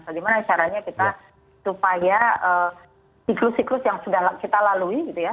bagaimana caranya kita supaya siklus siklus yang sudah kita lalui gitu ya